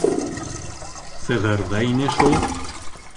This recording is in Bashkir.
Сығыр ҙа ине шул.